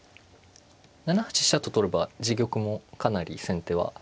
７八飛車と取れば自玉もかなり先手は安全に。